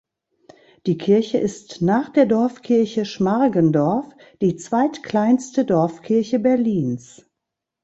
Die Kirche ist nach der Dorfkirche Schmargendorf die zweitkleinste Dorfkirche Berlins.